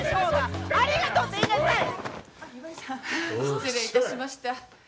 失礼いたしました。